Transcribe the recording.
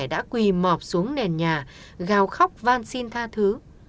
đã quỳ mọt xuống nền nhà gào khóc van xin tha thứ